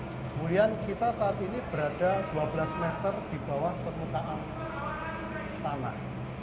kemudian kita saat ini berada dua belas meter di bawah permukaan tanah